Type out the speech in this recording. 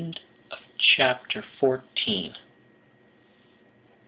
CHAPTER FIFTEEN.